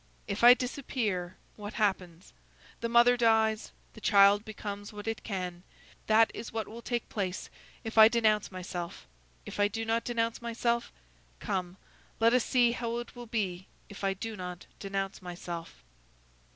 If I disappear, what happens? The mother dies; the child becomes what it can; that is what will take place, if I denounce myself. If I do not denounce myself? come, let us see how it will be if I do not denounce myself."